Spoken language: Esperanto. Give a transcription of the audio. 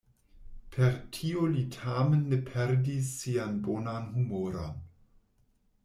Per tio li tamen ne perdis sian bonan humoron.